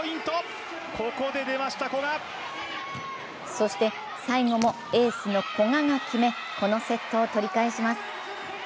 そして最後もエースの古賀が決めこのセットを取り返します。